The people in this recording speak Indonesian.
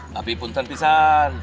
tapi pun tenti san